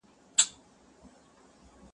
په سیالانو کي ناسیاله وه خوږ من وه-